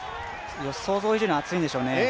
想像以上に暑いんでしょうね。